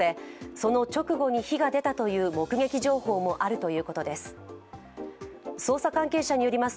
その直後に火が出たという目撃情報もあるということです。